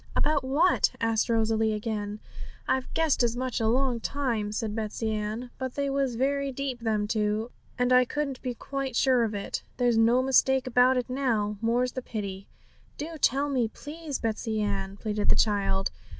'About what?' asked Rosalie again. 'I've guessed as much a long time,' said Betsey Ann; 'but they was very deep, them two, and I couldn't be quite sure of it. There's no mistake about it now, more's the pity!' 'Do tell me, please, Betsey Ann!' pleaded the child.